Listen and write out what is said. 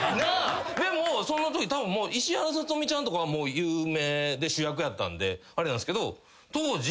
そのとき石原さとみちゃんとかはもう有名で主役やったんであれなんすけど当時。